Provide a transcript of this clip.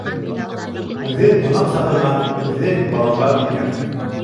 Үҙе ҡунаҡ саҡырған, үҙе баланға киткән.